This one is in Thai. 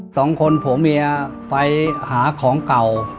สองคนผัวเมียไปหาของเก่า